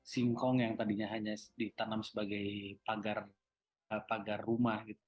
singkong yang tadinya hanya ditanam sebagai pagar rumah